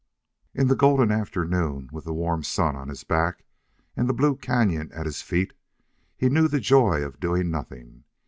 In the golden afternoon, with the warm sun on his back and the blue cañon at his feet, he knew the joy of doing nothing.